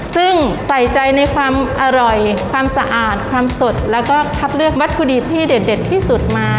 ซึ่งใส่ใจในความอร่อยความสะอาดความสดแล้วก็คัดเลือกวัตถุดิบที่เด็ดที่สุดมา